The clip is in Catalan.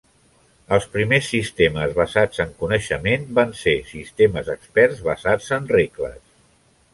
Els primers sistemes basats en coneixement van ser sistemes experts basats en regles.